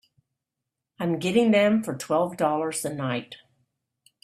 I'm getting them for twelve dollars a night.